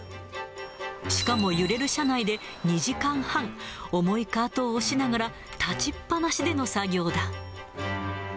しかも揺れる車内で２時間半、思いカートを押しながら、立ちっぱなしでの作業だ。